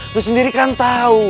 lo sendiri kan tau